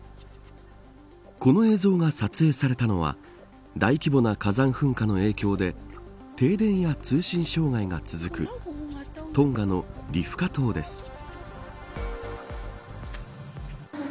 この映像が撮影されたのは大規模な火山噴火の影響で停電や通信障害が続くトンガのリフカ島です。